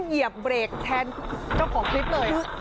เหยียบเบรกแทนเจ้าของคลิปเลย